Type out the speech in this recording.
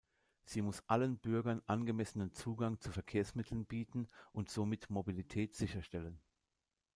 Sie muss allen Bürgern angemessenen Zugang zu Verkehrsmitteln bieten und somit Mobilität sicherstellen.